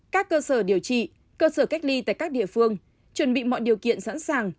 các cơ sở điều trị cơ sở cách ly tại các địa phương chuẩn bị mọi điều kiện sẵn sàng